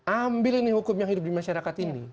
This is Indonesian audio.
ambil ini hukum yang hidup di masyarakat ini